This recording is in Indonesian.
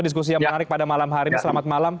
diskusi yang menarik pada malam hari ini selamat malam